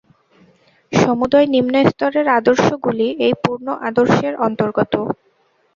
সমুদয় নিম্নস্তরের আদর্শগুলি এই পূর্ণ আদর্শের অন্তর্গত।